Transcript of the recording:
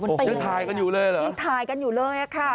ยังถ่ายกันอยู่เลยเหรอยังถ่ายกันอยู่เลยอ่ะค่ะ